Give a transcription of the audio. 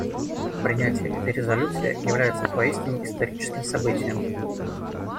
Принятие этой резолюции является поистине историческим событием.